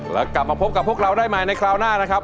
แล้วกลับมาพบกับพวกเราได้ใหม่ในคราวหน้านะครับ